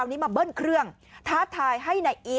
กลุ่มหนึ่งก็คือ